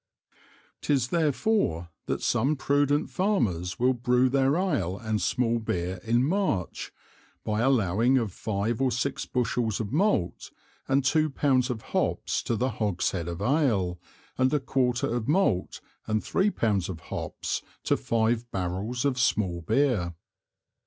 'Tis therefore that some prudent Farmers will brew their Ale and small Beer in March, by allowing of five or six Bushels of Malt, and two Pounds of Hops to the Hogshead of Ale, and a quarter of Malt and three Pounds of Hops to five Barrels of small Beer.